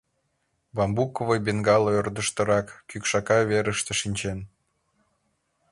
Бамбуковый бенгало ӧрдыжтырак, кӱкшака верыште шинчен.